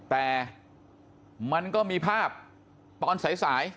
แต่มันก็มีภาพตอนสาย